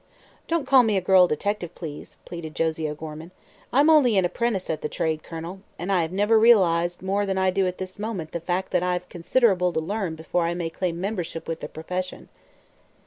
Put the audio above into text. "Don't call me a girl detective, please," pleaded Josie O'Gorman. "I'm only an apprentice at the trade, Colonel, and I have never realized more than I do at this moment the fact that I've considerable to learn before I may claim membership with the profession."